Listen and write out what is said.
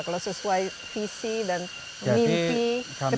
kalau sesuai visi dan mimpi